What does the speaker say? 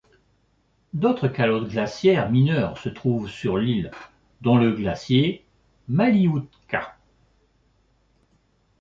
D'autres calottes glaciaires mineures se trouvent sur l'île dont le glacier Malioutka.